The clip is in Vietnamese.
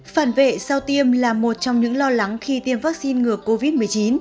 phản vệ sau tiêm là một trong những lo lắng khi tiêm vaccine ngừa covid một mươi chín